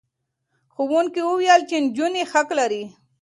ښوونکي وویل چې نجونې حق لري.